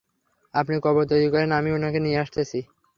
আপনি কবর তৈরি করেন, আমি উনাকে নিয়ে আসতেছি।